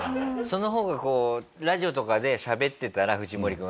その方がこうラジオとかでしゃべってたら藤森君が。